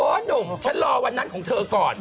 หนุ่มฉันรอวันนั้นของเธอก่อน